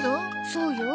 そうよ。